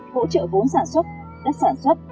hỗ trợ vốn sản xuất đất sản xuất